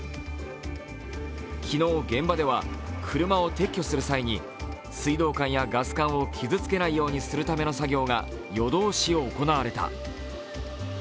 昨日、現場では車を撤去する際に水道管やガス管を傷つけないようにするための作業が夜通し行われた。